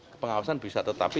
tetapi kita harus mengatasi